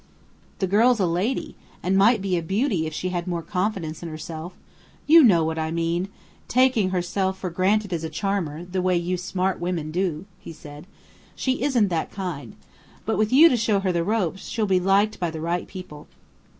"The girl's a lady, and might be a beauty if she had more confidence in herself you know what I mean: taking herself for granted as a charmer, the way you smart women do," he said. "She isn't that kind. But with you to show her the ropes, she'll be liked by the right people.